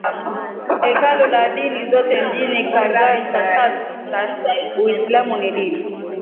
Hekalu la dini zote mjini Kazan Tatarstan Uislamu ni dini